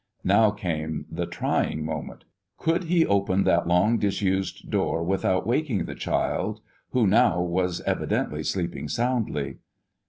Now came the trying moment. Could he open that long disused door without waking the child, who now was evidently sleeping soundly?